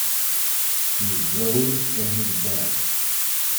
He rose from his bed.